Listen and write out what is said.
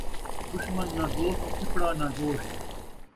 دشمن ناں دوست ، پھپھڑا ناں گوشت